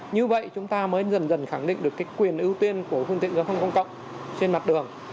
như vậy chúng ta mới dần dần khẳng định được cái quyền ưu tiên của phương tiện giao thông công cộng trên mặt đường